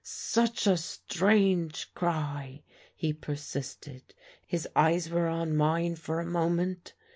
"Such a strange cry," he persisted. "His eyes were on mine for a moment